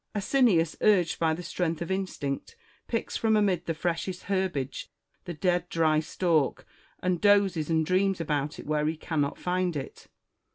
Asinius, urged by the strength of instinct, picks from amid the freshest herbage the dead dry stalk, and dozes and dreams about it where he cannot find it.